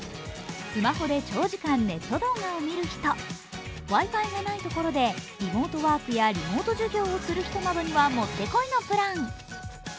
スマホで長時間、ネット動画を見る人、Ｗｉ−Ｆｉのないところでリモートワークやリモート授業をする人にはもってこいのプラン。